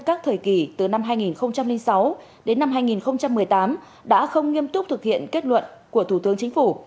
các thời kỳ từ năm hai nghìn sáu đến năm hai nghìn một mươi tám đã không nghiêm túc thực hiện kết luận của thủ tướng chính phủ